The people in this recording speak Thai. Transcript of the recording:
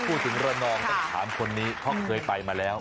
ถ้าพูดถึงรัดนองก็ถามคนนี้เขาเคยไปมาแล้ว